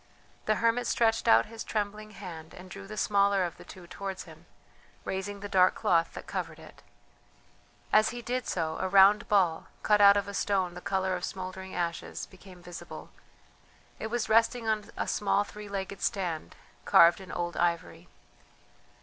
The hermit stretched out his trembling hand and drew the smaller of the two towards him, raising the dark cloth that covered it. As he did so, a round ball, cut out of a stone the colour of smouldering ashes, became visible; it was resting on a small three legged stand carved in old ivory.